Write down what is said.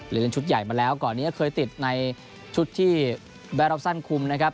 เล่นชุดใหญ่มาแล้วก่อนนี้เคยติดในชุดที่แบร็อกซันคุมนะครับ